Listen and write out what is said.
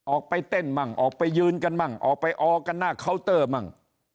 ออกไปเต้นมั่งออกไปยืนกันมั่งออกไปออกันหน้าเคาน์เตอร์มั่ง